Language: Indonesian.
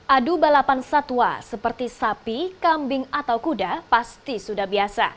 adu balapan satwa seperti sapi kambing atau kuda pasti sudah biasa